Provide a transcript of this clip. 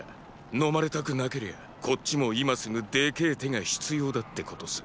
のまれたくなけりゃこっちも今すぐでけェ手が必要だってことさ。